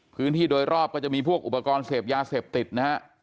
พื้นที่โดยรอบก็จะมีพวกอุปกรณ์เสพยาเสพติดนะฮะ